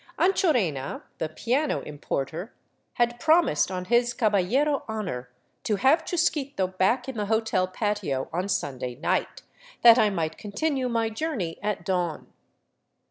Anchorena, the piano importer, had promised on his caballero honor to have Chusquito back in the hotel patio on Sunday night, that I might continue my journey at dawn.